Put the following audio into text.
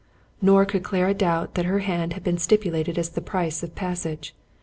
Nor could Clara doubt that her hand had been stipulated as the price of passage.